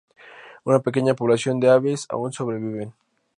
Una pequeña población de aves aun sobreviven.